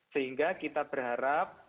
sehingga kita berharap